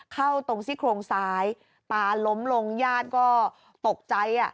เข้าตรงซี่โครงซ้ายตาล้มลงญาติก็ตกใจ